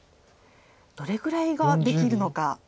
どれぐらいができるのか。